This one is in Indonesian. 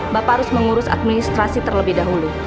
bapak harus mengurus administrasi terlebih dahulu